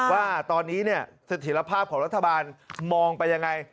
ว่าตอนนี้เนี่ยเสถียรภาพของรัฐบาลมองไปยังไง